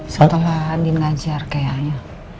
setelah andim ngajar kayaknya